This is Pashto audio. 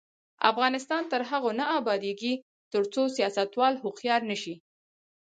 افغانستان تر هغو نه ابادیږي، ترڅو سیاستوال هوښیار نشي.